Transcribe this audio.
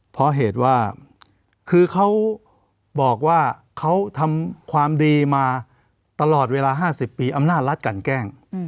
เพราะเหตุว่าคือเขาบอกว่าเขาทำความดีมาตลอดเวลา๕๐ปีอำนาจรัฐกันแกล้ง